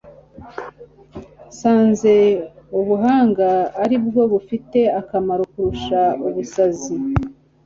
nasanze ubuhanga ari bwo bufite akamaro kurusha ubusazi